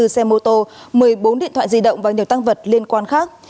hai mươi xe mô tô một mươi bốn điện thoại di động và nhiều tăng vật liên quan khác